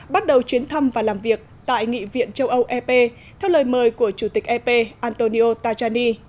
bắt đầu chuyến thăm và làm việc tại nghị viện châu âu ep theo lời mời của chủ tịch ep antonio tajani